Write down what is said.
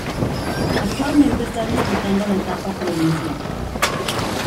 Actualmente está disputando la etapa provincial.